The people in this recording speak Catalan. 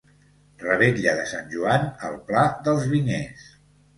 Revetlla de Sant Joan al Pla dels Vinyers.